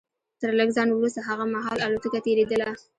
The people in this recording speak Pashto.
تر لږ ځنډ وروسته هغه مهال الوتکه تېرېدله